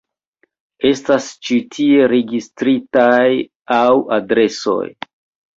Estas ĉi tie registritaj naŭ adresoj.